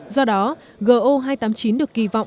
do đó go hai trăm tám mươi chín được kỳ vọng